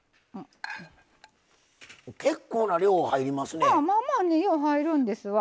結構な量入りますね。